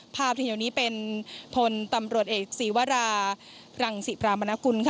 ภาพทีนี้เป็นพลตำรวจเอกสีวารารังสีปรามณกุล